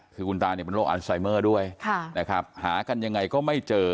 คือคุณตาเนี่ยเป็นโรคอันไซเมอร์ด้วยนะครับหากันยังไงก็ไม่เจอ